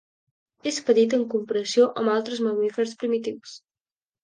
És petit en comparació amb altres mamífers primitius.